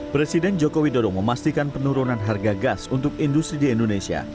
presiden joko widodo memastikan penurunan harga gas untuk industri di indonesia